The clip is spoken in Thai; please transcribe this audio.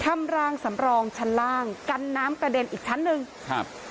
รางสำรองชั้นล่างกันน้ำกระเด็นอีกชั้นหนึ่งครับ